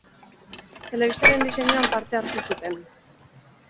Telebistaren diseinuan parte hartu zuten.